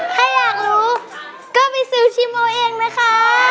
ถ้าอยากรู้ก็ไปซื้อชิมเอาเองนะคะ